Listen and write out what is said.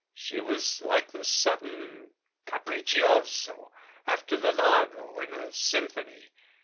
She was like the sudden capriccioso after the largo in a symphony.